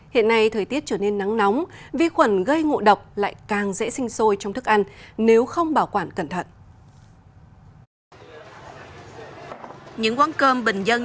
hiện nay thời tiết trở nên nắng nóng vi khuẩn gây ngộ độc lại càng dễ sinh sôi trong thức ăn nếu không bảo quản cẩn thận